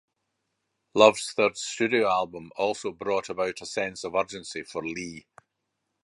Love's third studio album also brought about a sense of urgency for Lee.